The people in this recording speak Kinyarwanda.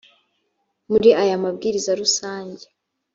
muri aya mabwiriza rusange